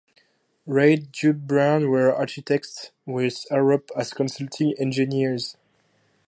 Reid Jubb Brown were architects, with Arup as consulting engineers.